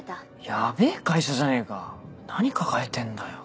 やべぇ会社じゃねえか何抱えてんだよ。